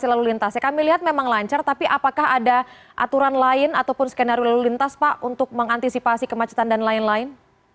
lalu lintas ya kami lihat memang lancar tapi apakah ada aturan lain ataupun skenario lalu lintas pak untuk mengantisipasi kemacetan dan lain lain